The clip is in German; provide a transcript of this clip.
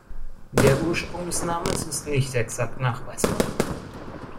Der Ursprung des Namens ist nicht exakt nachweisbar.